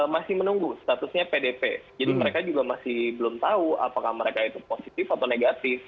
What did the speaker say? masih menunggu statusnya pdp jadi mereka juga masih belum tahu apakah mereka itu positif atau negatif